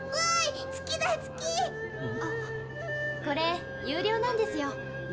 これ有料なんですよ。